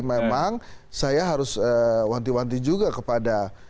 memang saya harus wanti wanti juga kepada